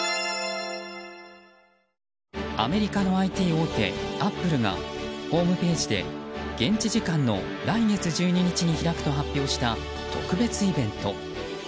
アメリカのＩＴ大手アップルがホームページで現地時間の来月１２日に開くと発表した特別イベント。